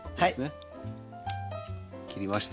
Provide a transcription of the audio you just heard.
切りました。